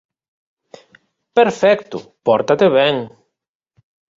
Perfecto, pórtate ben.